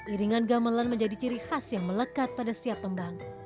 iringan gamelan menjadi ciri khas yang melekat pada setiap tembang